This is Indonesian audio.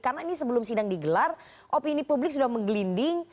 karena ini sebelum sidang digelar opini publik sudah menggelinding